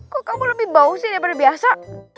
kok kamu lebih bau sih daripada biasa